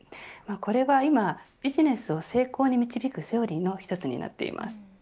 これは今、ビジネスを成功に導くセオリーの一つになっています。